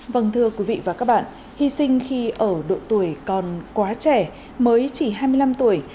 vâng thưa quý vị và các bạn hy sinh khi ở độ tuổi còn quá trẻ mới chỉ hai mươi năm tuổi